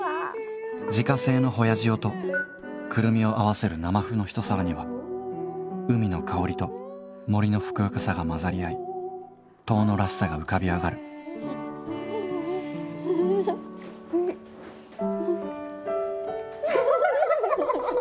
自家製のホヤ塩とくるみを合わせる生麩の一皿には海の香りと森のふくよかさが混ざり合い遠野らしさが浮かび上がるうんおいしい！